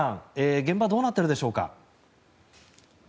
現場どうなっているでしょうか。